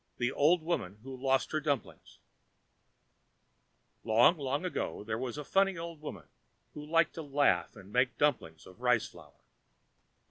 The Old Woman who Lost her Dumplings Long, long ago there was a funny old woman who liked to laugh and to make dumplings of rice flour.